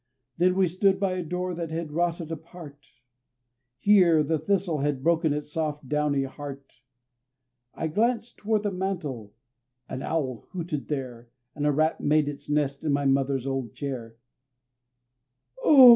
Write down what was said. Then we stood by a door that had rotted apart Here the thistle had broken its soft, downy heart I glanced toward the mantel, an owl hooted there, And a rat made its nest in my mother's old chair, "Oh!